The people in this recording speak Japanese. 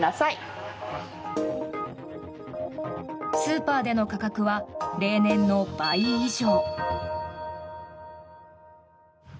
スーパーでの価格は例年の倍以上。